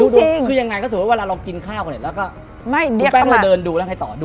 เรื่องจริง